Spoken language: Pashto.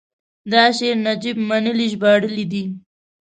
دا شعر نجیب منلي ژباړلی دی: